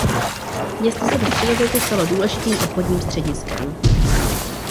Město se ve středověku stalo důležitým obchodním střediskem.